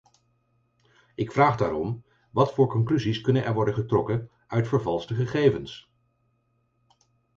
Ik vraag daarom: wat voor conclusies kunnen er worden getrokken uit vervalste gegevens?